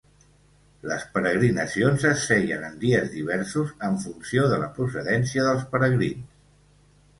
Les peregrinacions es feien en dies diversos en funció de la procedència dels peregrins.